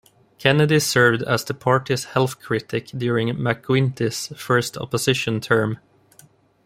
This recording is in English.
Kennedy served as the party's Health Critic during McGuinty's first opposition term.